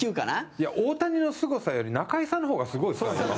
いや、大谷のすごさより中居さんの方がすごいですから。